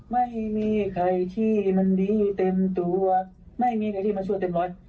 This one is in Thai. ไม่มีใครที่มันดีเต็มตัวไม่มีใครที่มาช่วยเต็มร้อย